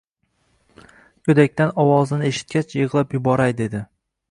Go`shakdan ovozini eshitgach, yig`lab yuboray dedi